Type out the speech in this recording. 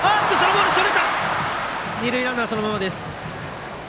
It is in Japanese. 二塁ランナーはそのままです。